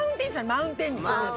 マウンテンにね。